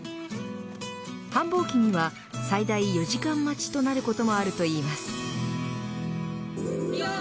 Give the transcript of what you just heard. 繁忙期には最大４時間待ちとなることもあるといいます。